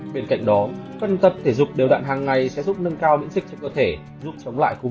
bên cạnh đó phân tâm thể dục đều đạn hàng ngày sẽ giúp nâng cao biện trích cho cơ thể giúp chống lại covid một mươi chín